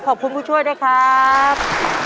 ขอบคุณผู้ช่วยด้วยครับ